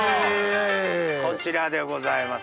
こちらでございます。